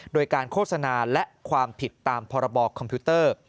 โดยการโฆษณาและความผิดตามพรบคอมพิวเตอร์